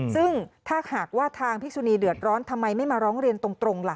ซึ่งถ้าหากว่าทางพิสุนีเดือดร้อนทำไมไม่มาร้องเรียนตรงล่ะ